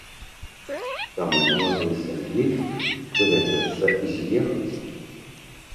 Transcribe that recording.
Таму маладой сям'і давядзецца з'ехаць.